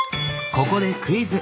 ここでクイズ。